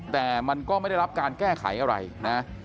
แต่มันก็ไม่ได้รับการแก้ไขอะไรนะ